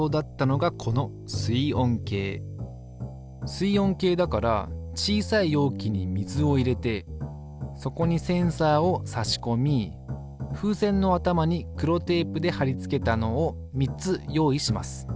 水温計だから小さい容器に水を入れてそこにセンサーをさしこみ風船の頭に黒テープではりつけたのを３つ用意します。